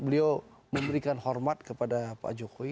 beliau memberikan hormat kepada pak jokowi